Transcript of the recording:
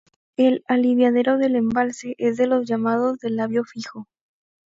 El aliviadero del embalse es de los llamados de labio fijo.